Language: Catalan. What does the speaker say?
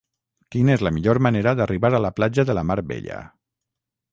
Quina és la millor manera d'arribar a la platja de la Mar Bella?